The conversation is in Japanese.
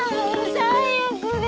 最悪です。